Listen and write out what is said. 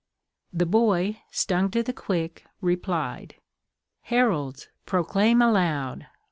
The boy, stung to the quick, replied: "Heralds, proclaim aloud!